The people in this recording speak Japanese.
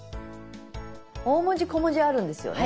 大文字小文字あるんですよね。